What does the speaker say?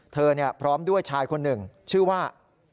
พร้อมด้วยชายคนหนึ่งชื่อว่า